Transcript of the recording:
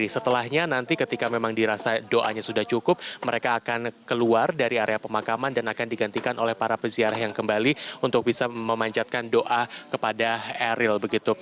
setelahnya nanti ketika memang dirasa doanya sudah cukup mereka akan keluar dari area pemakaman dan akan digantikan oleh para peziarah yang kembali untuk bisa memanjatkan doa kepada eril